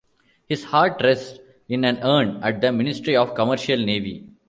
His heart rests in an urn at the Ministry of Commercial Navy.